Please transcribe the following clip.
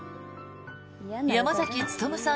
山崎努さん